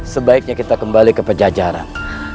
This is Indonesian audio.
sebaiknya kita kembali ke pejajaran